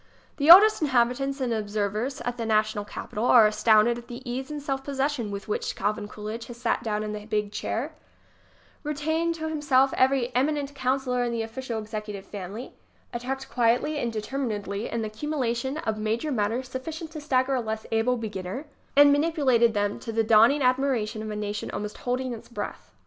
The oldest inhabitants and observers at the na tional capital are astounded at the ease and self possession with which Calvin Coolidge has sat down in the big chair, retained to himself every eminent counsellor in the official executive family, attacked quietly and determinedly an accumulation of major matters sufficient to stagger a less able be ginner ŌĆö and manipulated them to the dawning ad miration of a nation almost holding its breath.